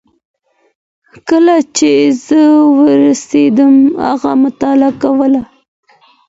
کله چي زه ورسېدم هغه مطالعه کوله.